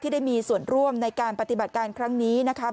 ได้มีส่วนร่วมในการปฏิบัติการครั้งนี้นะคะ